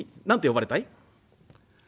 何て呼ばれたい？」。